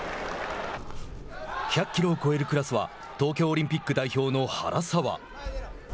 １００キロを超えるクラスは東京オリンピック代表の原沢。